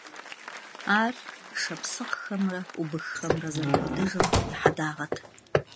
Ар шапсыгъхэмрэ убыххэмрэ зэрыкӀуэдыжым и хьэдагъэт.